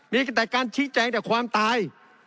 มีแต่การชี้แจงแต่ความตาย